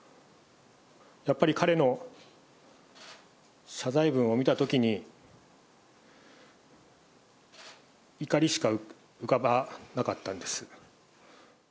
やっぱり彼の謝罪文を見たときに、怒りしか浮かばなかったんです。